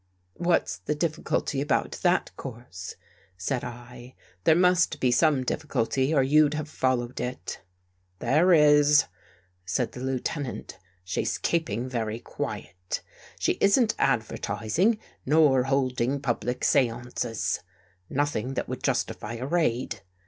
" What's the difficulty about that course? " said I. io6 FIGHTING THE DEVIL WITH FIRE '' There must be some difficulty or you'd have fol lowed it." " There is," said the Lieutenant. " She's keep ing very quiet. She isn't advertising nor holding public seances. Nothing that would justify a raid.